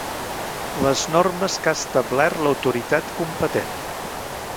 Les normes que ha establert l'autoritat competent.